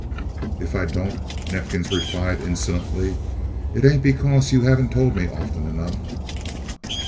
"If I don't," Neifkins replied insolently, "it ain't because you haven't told me often enough."